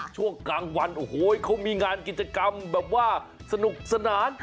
ช่วงกลางวันโอ้โหเขามีงานกิจกรรมแบบว่าสนุกสนาน